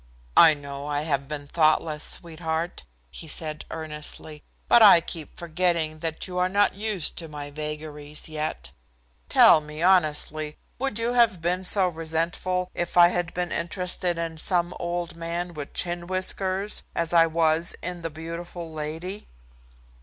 "I know I have been thoughtless, sweetheart," he said earnestly, "but I keep forgetting that you are not used to my vagaries yet. Tell me honestly, would you have been so resentful if I had been interested in some old man with chin whiskers as I was in the beautiful lady?"